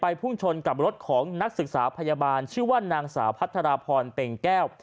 พุ่งชนกับรถของนักศึกษาพยาบาลชื่อว่านางสาวพัทรพรเป่งแก้ว